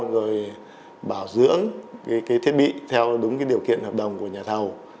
rồi bảo dưỡng thiết bị theo đúng điều kiện hợp đồng của nhà thầu